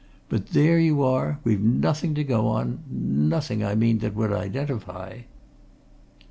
But there you are, we've nothing to go on nothing, I mean, that would identify."